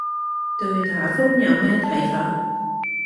對打風有咩睇法